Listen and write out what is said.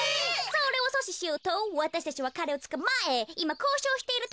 それをそししようとわたしたちはかれをつかまえいまこうしょうしているところなんです。